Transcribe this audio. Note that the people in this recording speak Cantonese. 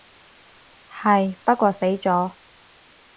係，不過死咗